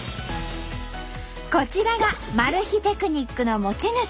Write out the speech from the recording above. こちらがマル秘テクニックの持ち主。